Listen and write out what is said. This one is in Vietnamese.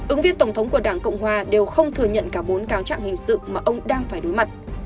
ứng viên tổng thống của đảng cộng hòa đều không thừa nhận cả bốn cáo trạng hình sự mà ông đang phải đối mặt